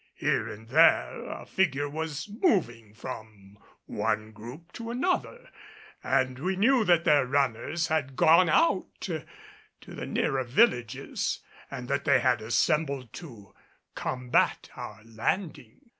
Here and there a figure was moving from one group to another, and we knew that their runners had gone out to the nearer villages and that they had assembled to combat our landing.